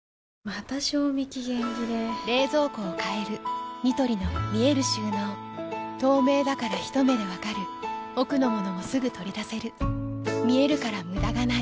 また賞味期限切れ冷蔵庫を変えるニトリの見える収納透明だからひと目で分かる奥の物もすぐ取り出せる見えるから無駄がないよし。